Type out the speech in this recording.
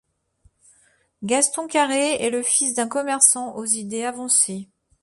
Gaston Carré est le fils d'un commerçant aux idées avancées.